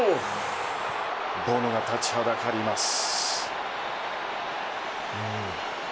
ボノが立ちはだかります。